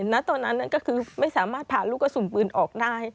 ณตอนนั้นก็คือไม่สามารถผ่าลูกกระสุนปืนออกได้